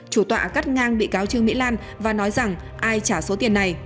chủ tọa cắt ngang bị cáo trương mỹ lan và nói rằng ai trả số tiền này